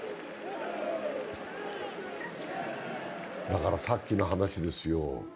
だから、さっきの話ですよ。